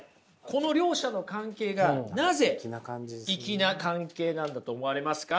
この両者の関係がなぜいきな関係なんだと思われますか？